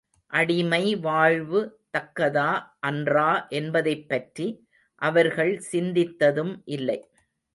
அடிமை வாழ்வு தக்கதா அன்றா என்பதைப் பற்றி அவர்கள் சிந்தித்ததும் இல்லை.